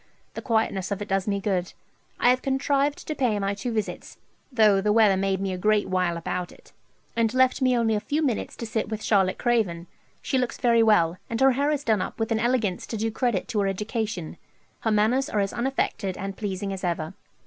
The quietness of it does me good. I have contrived to pay my two visits, though the weather made me a great while about it, and left me only a few minutes to sit with Charlotte Craven. She looks very well, and her hair is done up with an elegance to do credit to any education. Her manners are as unaffected and pleasing as ever.